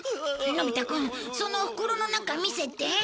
のび太くんその袋の中見せて。